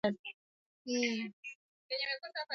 ulimwenguni kote Leo idadi yao ni karibu watu